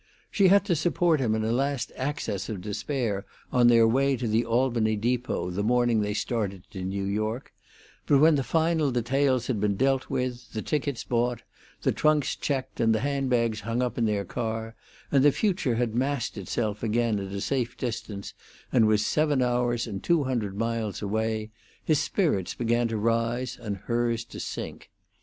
She had to support him in a last access of despair on their way to the Albany depot the morning they started to New York; but when the final details had been dealt with, the tickets bought, the trunks checked, and the handbags hung up in their car, and the future had massed itself again at a safe distance and was seven hours and two hundred miles away, his spirits began to rise and hers to sink.